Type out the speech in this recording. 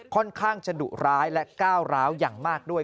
ค่อนข้างจะดุร้ายและก้าวร้าวอย่างมากด้วย